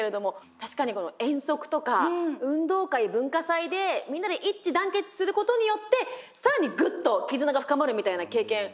確かに遠足とか運動会文化祭でみんなで一致団結することによって更にぐっと絆が深まるみたいな経験ありますかやっぱつるのさんも。